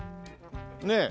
ねえ。